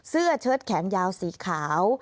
เสื้อเชิดแขนยาวสีขาว